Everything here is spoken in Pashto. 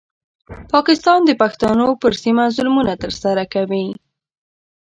پاکستان د پښتنو پر سیمه ظلمونه ترسره کوي.